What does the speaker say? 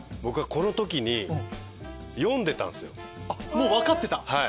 もう分かってた！